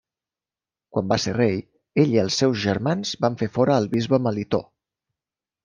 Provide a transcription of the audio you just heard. Quan va ser rei, ell i els seus germans van fer fora el bisbe Melitó.